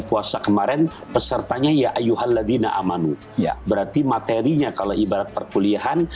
puasa kemarin pesertanya ya ayuhaladina amanu ya berarti materinya kalau ibarat perkuliahan